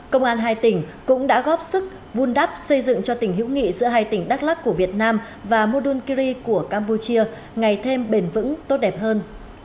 công an hai tỉnh cũng đã góp sức vun đắp xây dựng cho tình hữu nghị giữa hai tỉnh đắk lắc của việt nam và munkiri của campuchia ngày thêm bền vững tốt đẹp hơn